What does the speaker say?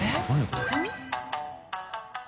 これ。